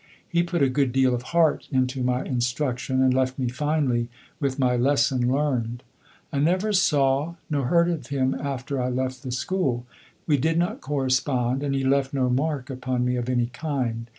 He put a good deal of heart into my instruction, and left me finally with my lesson learned. I never saw nor heard of him after I left the school. We did not correspond, and he left no mark upon me of any kind.